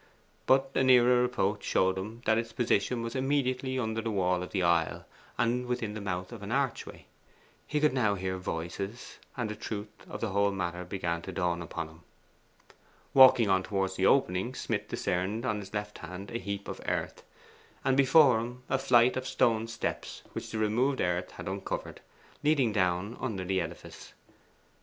But a nearer approach showed him that its position was immediately under the wall of the aisle, and within the mouth of an archway. He could now hear voices, and the truth of the whole matter began to dawn upon him. Walking on towards the opening, Smith discerned on his left hand a heap of earth, and before him a flight of stone steps which the removed earth had uncovered, leading down under the edifice.